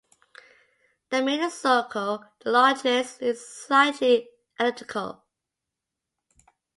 The middle circle, the largest is slightly elliptical.